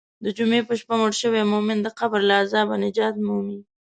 د جمعې په شپه مړ شوی مؤمن د قبر له عذابه نجات مومي.